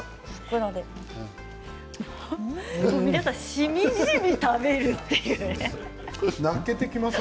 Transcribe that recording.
皆さん、しみじみ食べるというね。